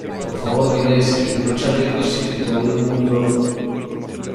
por favor, que nadie se quite los chalecos y que todo el mundo